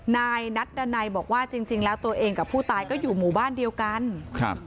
นายนัดดันัยบอกว่าจริงจริงแล้วตัวเองกับผู้ตายก็อยู่หมู่บ้านเดียวกันครับ